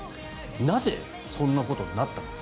なぜ、そんなことになったのか。